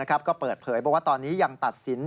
ก็เปิดเผยบอกว่าตอนนี้ยังตัดสิน